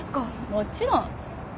もちろん。